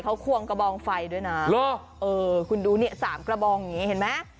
เขาควงกระบองไฟด้วยนะเออคุณดูเนี่ยสามกระบองอย่างนี้เห็นไหม